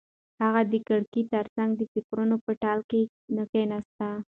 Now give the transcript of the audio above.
هغه د کړکۍ تر څنګ د فکرونو په ټال کې کېناسته.